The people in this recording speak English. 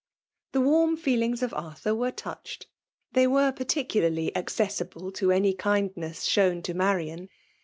The warm feelings of Arthur were touched ; tliey were particularly accessible to any kind ness shown to Marian.